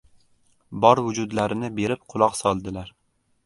Bor vujudlarini berib quloq soldilar.